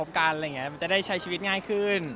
มันจะได้ใช้ชีวิตง่ายขึ้น